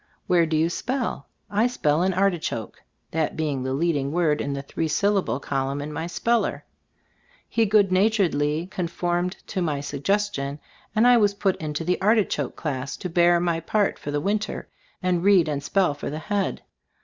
"Where do you spell?" "I spell in 'Artichoke/" that being the leading word in the three syllable col umn in my speller. He good natur edly conformed to my suggestion, and I was put into the "artichoke" class to bear my part for the winter, and read and "spell for the head."